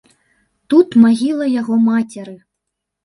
Тут магіла яго мацеры.